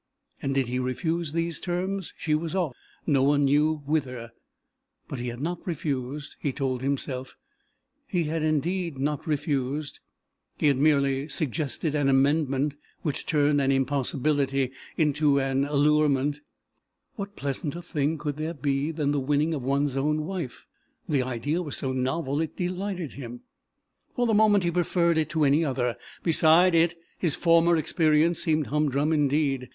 And did he refuse these terms, she was off, no one knew whither. But he had not refused, he told himself, he had indeed not refused, he had merely suggested an amendment which turned an impossibility into an allurement. What pleasanter thing could there be than the winning of one's own wife? The idea was so novel it delighted him. For the moment he preferred it to any other; beside it his former experience seemed humdrum indeed.